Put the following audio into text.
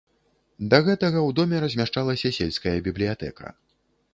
Да гэтага ў доме размяшчалася сельская бібліятэка.